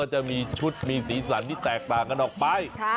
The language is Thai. จะมีชุดมีสีสันที่แตกต่างกันออกไป